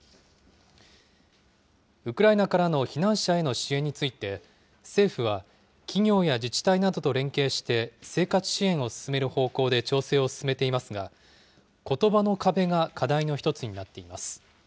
ウクライナからの避難者への支援について、政府は企業や自治体などと連携して、生活支援を進める方向で調整を進めていますが、ことばの壁が課題の一つになっています。